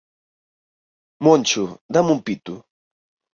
Moncho dáme un pito".